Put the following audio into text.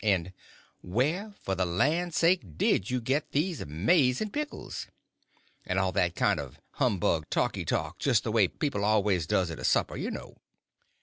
and "Where, for the land's sake, did you get these amaz'n pickles?" and all that kind of humbug talky talk, just the way people always does at a supper, you know.